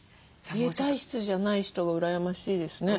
冷え体質じゃない人が羨ましいですね。